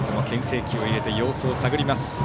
けん制球を入れて様子を探ります。